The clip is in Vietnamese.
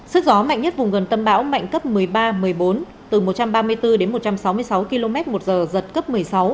sức gió mạnh nhất vùng gần tâm bão mạnh cấp một mươi ba một mươi bốn từ một trăm ba mươi bốn đến một trăm sáu mươi sáu km một giờ giật cấp một mươi sáu